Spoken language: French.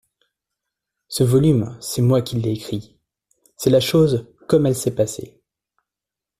Ce volume, c'est moi qui l'ai écrit ; c'est la chose comme elle s'est passée.